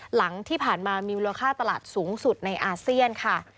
หลังที่ผ่านมามีมูลค่าตลาดสูงสุดในอาเซียนค่ะ